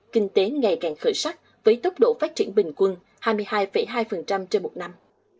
kinh tế ngày càng khởi sắc với tốc độ phát triển bình quân hai mươi hai hai trên một năm